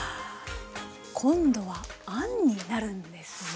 今度はあんになるんですね